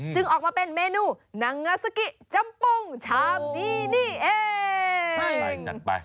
ออกมาเป็นเมนูนางงาซากิจำปงชามนี้นี่เอง